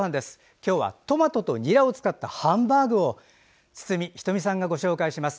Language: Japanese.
今日は、トマトとにらを使ったハンバーグを堤人美さんがご紹介します。